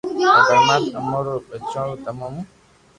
اي پرماتما امون تمو رو ٻچو ھون تمو مون